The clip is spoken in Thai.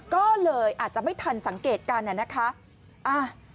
ก็เลยอาจจะไม่ทันสังเกตกันนะคะ